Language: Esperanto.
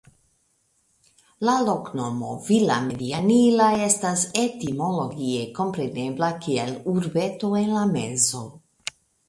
La loknomo "Villamedianilla" estas etimologie komprenebla kiel "Urbeto en la mezo".